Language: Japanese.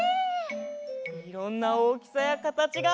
いろんなおおきさやかたちがあるんだね。